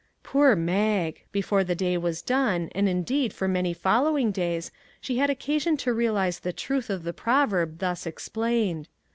Poor Mag ! before the day was done, and in deed for many following days, she had occa sion to realize the truth of the proverb thus ex plained.